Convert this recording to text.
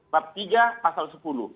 bab tiga pasal sepuluh